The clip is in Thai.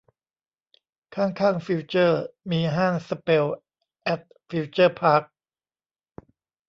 ข้างข้างฟิวเจอร์ มีห้างสเปลล์ แอท ฟิวเจอร์พาร์ค